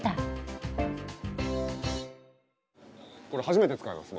これ初めて使います。